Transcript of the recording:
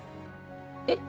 えっ？